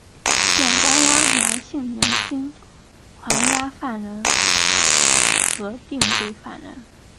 现关押男性年青还押犯人和定罪犯人。